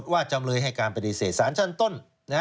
จำเลยให้การปฏิเสธสารชั้นต้น